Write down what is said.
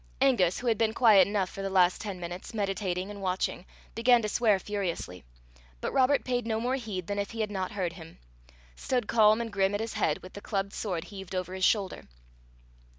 Angus, who had been quiet enough for the last ten minutes, meditating and watching, began to swear furiously, but Robert paid no more heed than if he had not heard him stood calm and grim at his head, with the clubbed sword heaved over his shoulder.